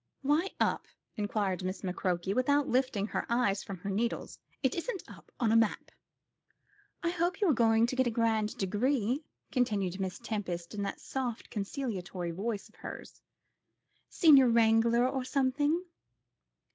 "Why up?" inquired Miss McCroke, without lifting her eyes from her needles. "It isn't up on the map." "I hope you are going to get a grand degree," continued Mrs. Tempest, in that soft conciliatory voice of hers; "Senior Wrangler, or something."